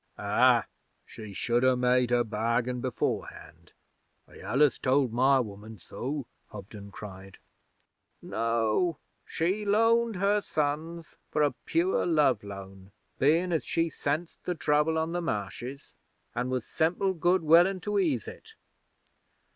'Ah! She should ha' made her bargain beforehand. I allus told my woman so!' Hobden cried. 'No. She loaned her sons for a pure love loan, bein' as she sensed the Trouble on the Marshes, an' was simple good willin' to ease it.'